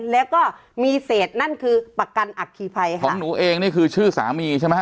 แล้วก็มีเศษนั่นคือประกันอัคคีภัยค่ะของหนูเองนี่คือชื่อสามีใช่ไหมฮ